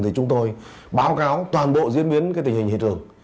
thì chúng tôi báo cáo toàn bộ diễn biến cái tình hình hiện trường